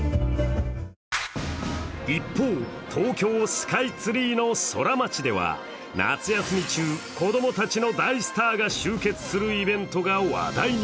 一方、東京スカイツリーのソラマチでは夏休み中子供たちの大スターが集結するイベントが話題に。